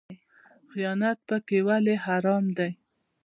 خیانت پکې ولې حرام دی؟